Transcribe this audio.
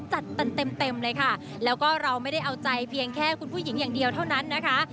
จัดเต็มเต็มเลยค่ะแล้วก็เราไม่ได้เอาใจเพียงแค่คุณผู้หญิงอย่างเดียวเท่านั้นนะคะ